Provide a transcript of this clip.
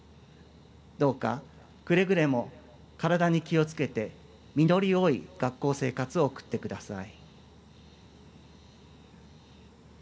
どうか、くれぐれも体に気をつけて実り多い学校生活を送ってください。